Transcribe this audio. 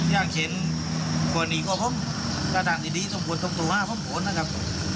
อย่างเช่นวันนี้ก็พร้อมสถานที่ดีต้องควรทรงตัวห้าพร้อมผลนะครับ